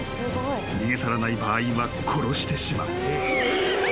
［逃げ去らない場合は殺してしまう］